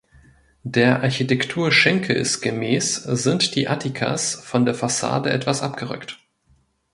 Der Architektur Schinkels gemäß sind die Attikas von der Fassade etwas abgerückt.